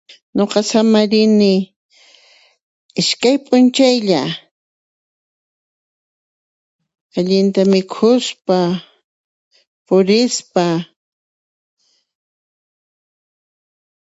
Nuqa samarini iskay p'unchaylla, allinta mikhuspa, purispa.